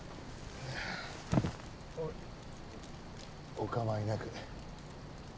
お構いなく。